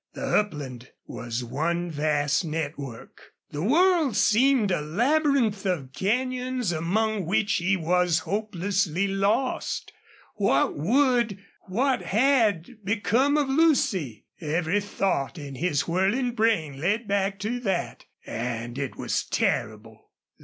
The upland was one vast network. The world seemed a labyrinth of canyons among which he was hopelessly lost. What would what had become of Lucy? Every thought in his whirling brain led back to that and it was terrible.